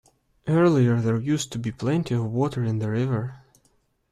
Earlier there used to be plenty of water in the river.